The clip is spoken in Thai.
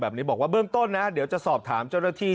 แบบนี้บอกว่าเบื้องต้นนะเดี๋ยวจะสอบถามเจ้าหน้าที่